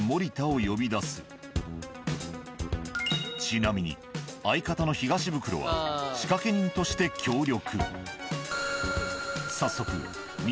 ちなみに相方の東ブクロは仕掛け人として協力。